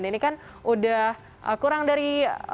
ini kan udah kurang dari